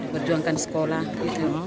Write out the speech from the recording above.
berjuangkan sekolah gitu